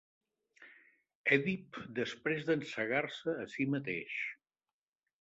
Èdip després d'encegar-se a si mateix.